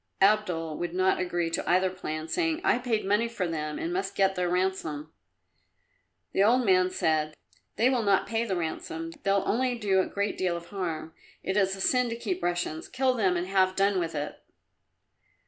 Abdul would not agree to either plan, saying, "I paid money for them and must get their ransom." The old man said, "They will not pay the ransom; they'll only do a great deal of harm. It is a sin to keep Russians. Kill them and have done with it."